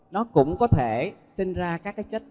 nó cũng có thể sinh ra các cái chất